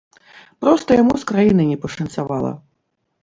Проста яму з краінай не пашанцавала.